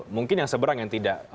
mungkin yang seberang yang tidak